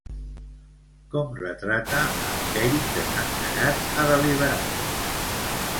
Com retrata a aquells que s'han negat a deliberar?